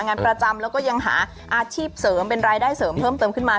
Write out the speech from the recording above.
งานประจำแล้วก็ยังหาอาชีพเสริมเป็นรายได้เสริมเพิ่มเติมขึ้นมา